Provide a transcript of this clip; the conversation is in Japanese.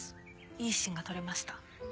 いいシーンが撮れました。